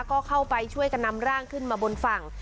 ก็เข้าไปช่วยกันนำร่างขึ้นมาบนฝั่ง